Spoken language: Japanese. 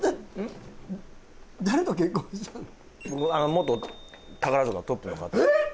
元宝塚トップの方とえっ！？